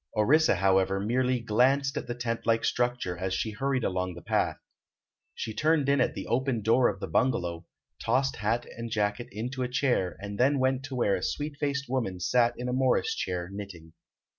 Orissa, however, merely glanced at the tent like structure as she hurried along the path. She turned in at the open door of the bungalow, tossed hat and jacket into a chair and then went to where a sweet faced woman sat in a morris chair knitting.